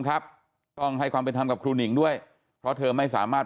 ครับต้องให้ความเป็นธรรมกับครูหนิงด้วยเพราะเธอไม่สามารถ